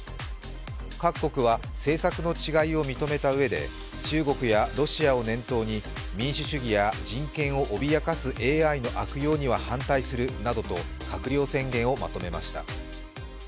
各国は政策の違いを認めたうえで中国やロシアを念頭に民主主義や人権を脅かすＡＩの悪用には反対するなどと閣僚宣言をまとめました。